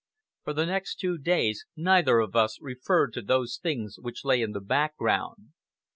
For the next two days neither of us referred to those things which lay in the background.